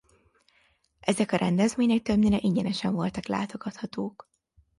Ezek a rendezvények többnyire ingyenesen voltak látogathatók.